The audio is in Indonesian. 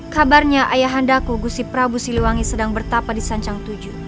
kabarnya ayahandaku gusiprabu siliwangi sedang bertapa di sancang tujuh